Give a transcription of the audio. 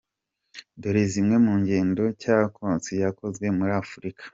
Dore zimwe mu ngendo Czekanowski yakoze muri Afurika .